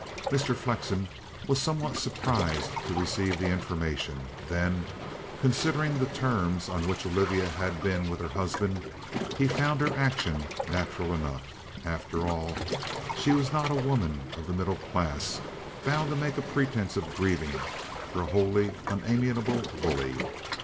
Mr. Flexen was somewhat surprised to receive the information; then, considering the terms on which Olivia had been with her husband, he found her action natural enough. After all, she was not a woman of the middle class, bound to make a pretence of grieving for a wholly unamiable bully.